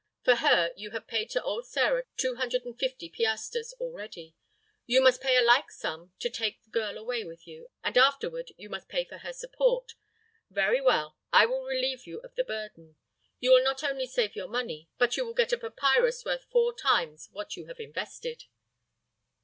"For her you have paid to old Sĕra two hundred and fifty piastres already. You must pay a like sum to take the girl away with you, and afterward you must pay for her support. Very well; I will relieve you of the burden. You will not only save your money, but you will get a papyrus worth four times what you have invested."